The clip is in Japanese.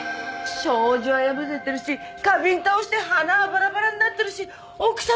障子は破れてるし花瓶倒して花はバラバラになってるし奥様